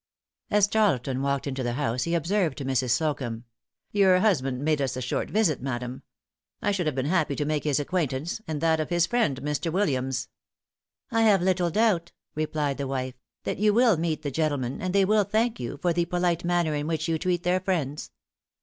As Tarleton walked into the house he observed to Mrs. Slocumb, "Your husband made us a short visit, madam. I should have been happy to make his acquaintance, and that of his friend, Mr. Williams." "I have little doubt," replied the wife, "that you will meet the gentlemen, and they will thank you for the polite manner in which you treat their friends."